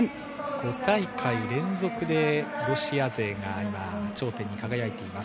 ５大会連続でロシア勢が頂点に輝いています。